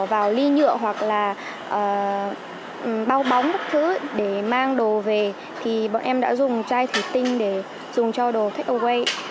vào ly nhựa hoặc là bao bóng các thứ để mang đồ về thì bọn em đã dùng chai thủy tinh để dùng cho đồ thách auay